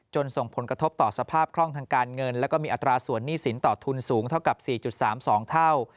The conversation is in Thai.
ส่งผลกระทบต่อสภาพคล่องทางการเงินแล้วก็มีอัตราส่วนหนี้สินต่อทุนสูงเท่ากับ๔๓๒เท่า